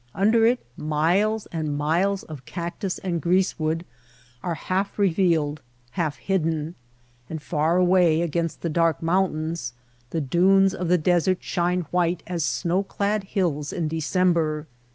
Under it miles and miles of cactus and grease wood are half re vealed, half hidden ; and far away against the dark mountains the dunes of the desert shine white as snow clad hills in December.